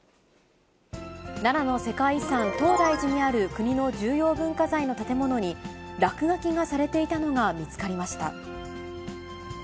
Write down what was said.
奈良の世界遺産、東大寺にある国の重要文化財の建物に、落書きがされていたのが見つかりました。